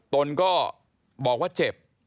ตนก็บอกว่าเจ็บ